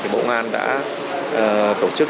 bộ công an đã tổ chức